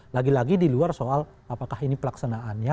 lagi lagi di luar soal apakah ini pelaksanaannya